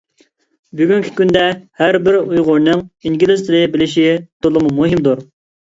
بۈگۈنكى كۈندە ھەر بىر ئۇيغۇرنىڭ ئىنگلىز تىلى بىلىشى تولىمۇ مۇھىمدۇر.